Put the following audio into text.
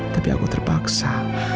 tapi aku terpaksa